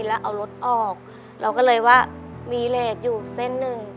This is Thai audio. แล้วเอารถออกเราก็เลยว่ามีเหล็กอยู่เส้นหนึ่ง